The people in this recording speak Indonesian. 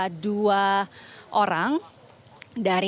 yang berhasil diberangkatkan ke jakarta